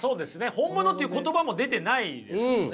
「本物」という言葉も出てないですよね。